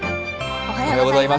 おはようございます。